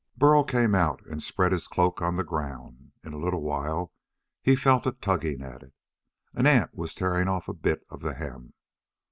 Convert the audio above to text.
Burl came out and spread his cloak on the ground. In a little while he felt a tugging at it. An ant was tearing off a bit of the hem.